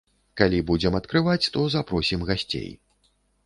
Калі будзем адкрываць, то запросім гасцей.